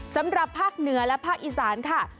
สำหรับภาคเหนือและภาคอีสานค่ะ